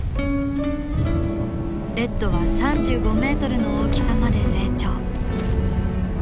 レッドは３５ｍの大きさまで成長。